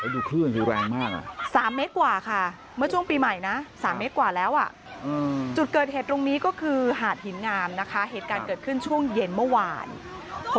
ดูคลื่นคือแรงมาก